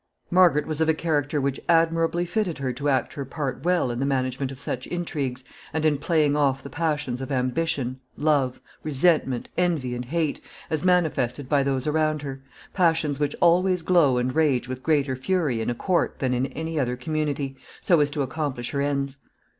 Margaret was of a character which admirably fitted her to act her part well in the management of such intrigues, and in playing off the passions of ambition, love, resentment, envy, and hate, as manifested by those around her passions which always glow and rage with greater fury in a court than in any other community so as to accomplish her ends.